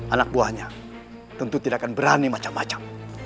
anak buahnya tentu tidak akan berani macam macam